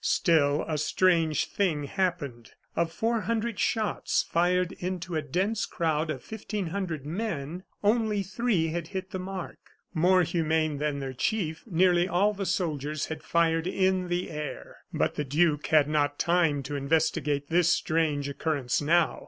Still, a strange thing happened. Of four hundred shots, fired into a dense crowd of fifteen hundred men, only three had hit the mark. More humane than their chief, nearly all the soldiers had fired in the air. But the duke had not time to investigate this strange occurrence now.